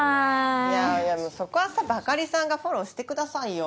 いやいやそこはさバカリさんがフォローしてくださいよ。